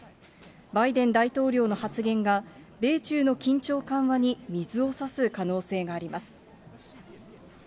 バイデン大統領の発言が、米中の緊張緩和に水をさす可能性があります。